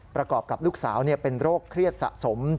ประกอบกับลูกสาวเป็นโรคเครียดสะสม